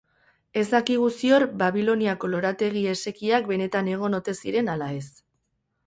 Ez dakigu ziur Babiloniako lorategi esekiak benetan egon ote ziren ala ez.